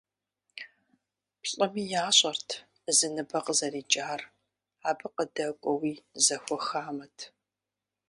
Плӏыми ящӏэрт зы ныбэ къызэрикӏар, абы къыдэкӏуэуи зэхуэхамэт.